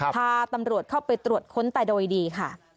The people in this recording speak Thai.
พาตำรวจเข้าไปตรวจค้นแต่โดยดีค่ะ